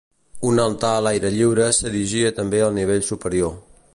Un altar a l'aire lliure s'erigia també al nivell superior.